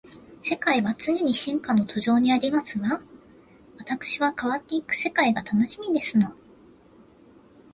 世界は常に進化の途上にありますわ。わたくしは変わっていく世界が楽しみですの